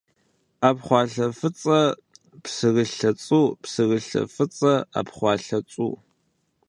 Ӏэпхъуалъэ фӏыцӏэ, псырылъэ цӏу, псырылъэ фӏыцӏэ, ӏэпхъуалъэ цӏу.